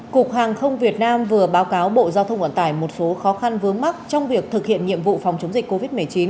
cục hàng không việt nam vừa báo cáo bộ giao thông vận tải một số khó khăn vướng mắt trong việc thực hiện nhiệm vụ phòng chống dịch covid một mươi chín